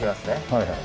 はいはい。